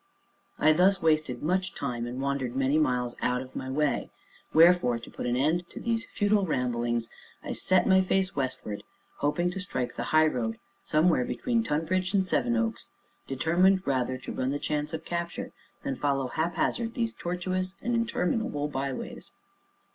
I thus wasted much time, and wandered many miles out of my way; wherefore, to put an end to these futile ramblings, I set my face westward, hoping to strike the highroad somewhere between Tonbridge and Sevenoaks; determined rather to run the extra chance of capture than follow haphazard these tortuous and interminable byways.